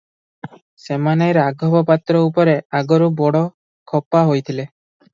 ସେମାନେ ରାଘବ ପାତ୍ର ଉପରେ ଆଗରୁ ବଡ଼ ଖପା ହୋଇଥିଲେ ।